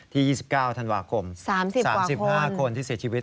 ๒๙ธันวาคม๓๕คนที่เสียชีวิต